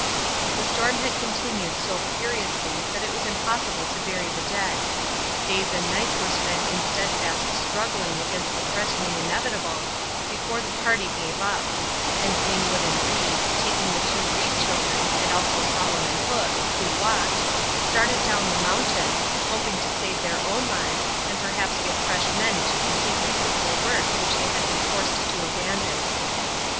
The storm had continued so furiously that it was impossible to bury the dead. Days and nights were spent in steadfast struggling against the threatening inevitable, before the party gave up; and Greenwood and Reed, taking the two Reed children and also Solomon Hook, who walked, started down the mountain, hoping to save their own lives and perhaps get fresh men to complete the pitiful work which they had been forced to abandon.